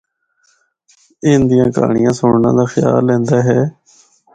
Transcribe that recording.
ان دیاں کہانڑیاں سنڑنا دا خیال ایندا ہے۔